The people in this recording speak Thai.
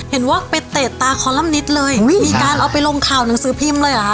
เห็นว่าไปเตะตาคอลัมนิสเลยมีการเอาไปลงข่าวหนังสือพิมพ์เลยเหรอคะ